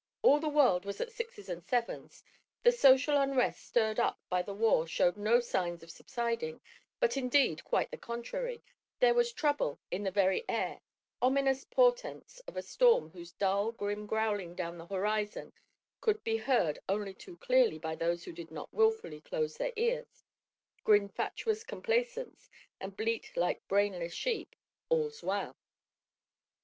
All the world was at sixes and sevens, the social unrest stirred up by the war showed no signs of subsiding, but indeed, quite the contrary, there was trouble in the very air—ominous portents of a storm whose dull, grim growling down the horizon could be heard only too clearly by those who did not wilfully close their ears, grin fatuous complacence, and bleat like brainless sheep: "All's well!"